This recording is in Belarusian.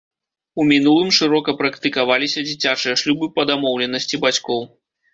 У мінулым шырока практыкаваліся дзіцячыя шлюбы па дамоўленасці бацькоў.